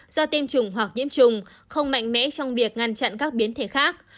do tiêm chủng hoặc nhiễm trùng không mạnh mẽ trong việc ngăn chặn các biến thể khác